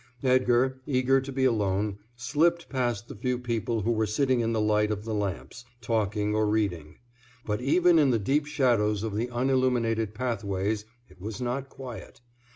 Edgar, eager to be alone, slipped past the few people who were sitting in the light of the lamps, talking or reading. But even in the deep shadows of the unilluminated pathways it was not quiet.